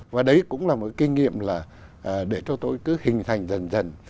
và đấy cũng là một kinh nghiệm là để cho tôi cứ hình thành dần dần